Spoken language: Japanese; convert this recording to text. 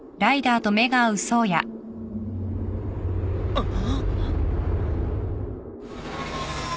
あっ。